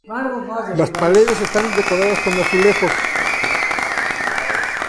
Las paredes están decoradas con azulejos.